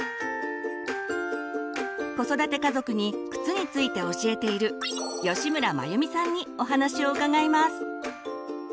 子育て家族に靴について教えている吉村眞由美さんにお話を伺います。